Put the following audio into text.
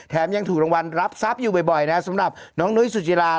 ยังถูกรางวัลรับทรัพย์อยู่บ่อยนะสำหรับน้องนุ้ยสุจิรา